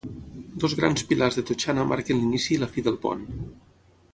Dos grans pilars de totxana marquen l'inici i la fi del pont.